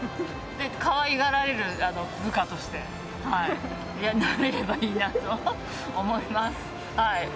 かわいがられる部下として、なれればいいなと思います。